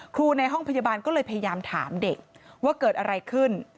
ในห้องพยาบาลก็เลยพยายามถามเด็กว่าเกิดอะไรขึ้น